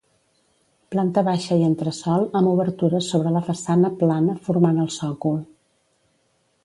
Planta baixa i entresòl amb obertures sobre la façana plana formant el sòcol.